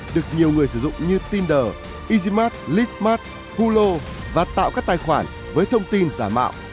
được nhiều người sử dụng như tinder easymart listmart hulu và tạo các tài khoản với thông tin giả mạo